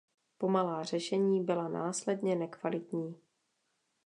Pomalá řešení byla následně nekvalitní.